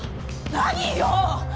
何よ！？